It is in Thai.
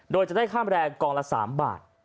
โดยจะได้ค่าแรงกองละ๓บาท